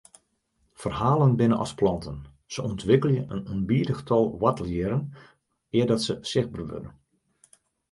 Ferhalen binne as planten, se ûntwikkelje in ûnbidich tal woartelhierren eardat se sichtber wurde.